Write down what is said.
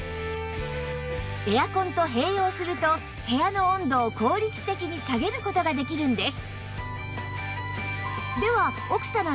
エアコンと併用すると部屋の温度を効率的に下げる事ができるんです